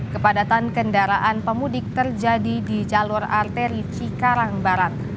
kepadatan kendaraan pemudik terjadi di jalur arteri cikarang barat